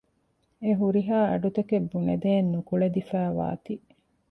އެ ހުރިހާ އަޑުތަކެއް ބުނެދޭން ނުކުޅެދިފައިވާތީ